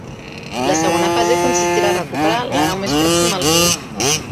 La segona fase consistirà a recuperar la nau més pròxima al riu.